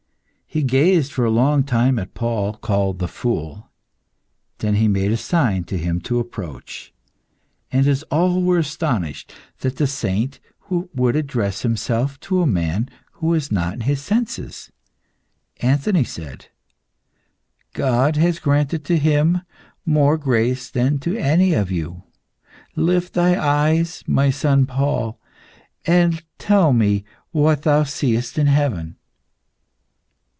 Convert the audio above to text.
He gazed for a long time at Paul, called the Fool; then he made a sign to him to approach. And, as all were astonished that the saint should address himself to a man who was not in his senses, Anthony said "God has granted to him more grace than to any of you. Lift thy eyes, my son Paul, and tell me what thou seest in heaven."